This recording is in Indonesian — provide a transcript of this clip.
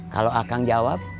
kalau akang jawab